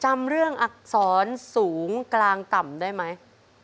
จำเรื่องอักษรสูงกลางต่ำได้ไหม